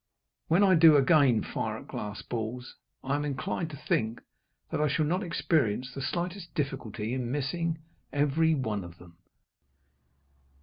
When I do again fire at glass balls I am inclined to think that I shall not experience the slightest difficulty in missing every one of them.